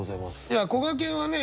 いやこがけんはね